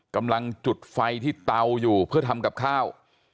กำลังจุดไฟที่เตาอยู่เพื่อทำกับข้าว